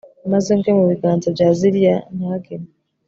maze ngwe mu biganza bya ziriya ntagenywe